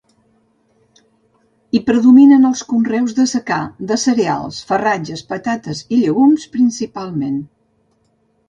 Hi predominen els conreus de secà, de cereals, farratges, patates i llegums, principalment.